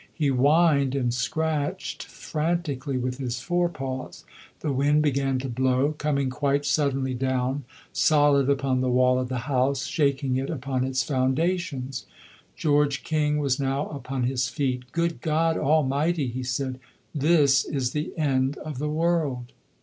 He whined and scratched frantically with his forepaws. The wind began to blow, coming quite suddenly down, solid upon the wall of the house, shaking it upon its foundations. George King was now upon his feet. "Good God Almighty!" he said, "this is the end of the world!"